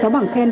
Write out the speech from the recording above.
sáu bảng khen